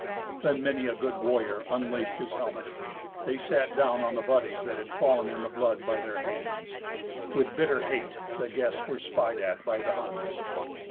Then many a good warrior unlaced his helmet. They sat down on the bodies that had fallen in the blood by their hands. With bitter hate the guests were spied at by the Huns.